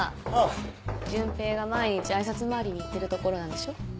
潤平が毎日挨拶回りに行ってる所なんでしょ？